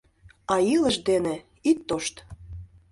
А илыш дене — ит тошт!